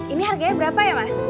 ini harganya berapa ya mas